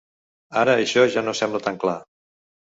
Ara això ja no sembla tan clar.